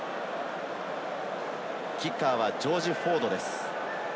キッカーはジョージ・フォードです。